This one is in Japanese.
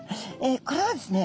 これはですね